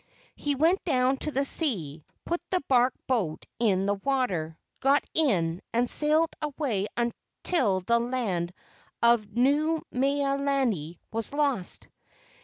" He went down to the sea, put the bark boat in the water, got in and sailed away until the land of Nuu mea lani was lost.